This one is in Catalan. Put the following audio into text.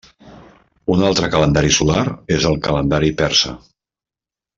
Un altre calendari solar és el calendari persa.